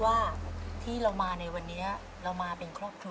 ว้าวว้าวว้าว